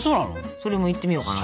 それもいってみようかなと。